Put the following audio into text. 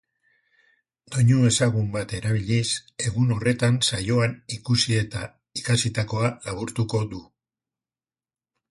Doinu ezagun bat erabiliz, egun horretan saioan ikusi eta ikasitakoa laburtuko du.